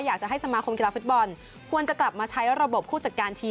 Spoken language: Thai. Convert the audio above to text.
อยากจะให้สมาคมกีฬาฟุตบอลควรจะกลับมาใช้ระบบผู้จัดการทีม